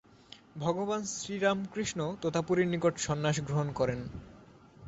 ভগবান শ্রীরামকৃষ্ণ তোতাপুরীর নিকট সন্ন্যাস গ্রহণ করেন।